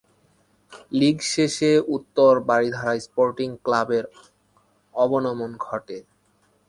লীগ শেষে উত্তর বারিধারা স্পোর্টিং ক্লাব-এর অবনমন ঘটে।